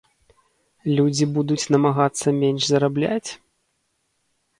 Людзі будуць намагацца менш зарабляць?